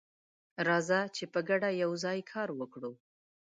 راځه چې په ګډه یوځای کار وکړو.